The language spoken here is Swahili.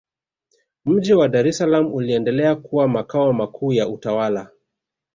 mji wa dar es salaam uliendelea kuwa makao makuu ya utawala